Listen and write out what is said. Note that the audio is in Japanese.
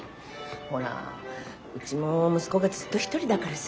ほらうちも息子がずっと一人だからさぁ。